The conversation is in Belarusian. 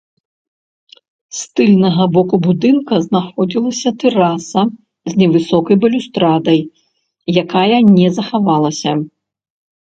З тыльнага боку будынка знаходзілася тэраса с невысокай балюстрадай, якая не захавалася.